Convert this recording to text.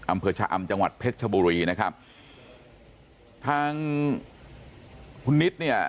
อำเภอชะอำจังหวัดเพชรชบุรีนะครับทางคุณนิดเนี่ย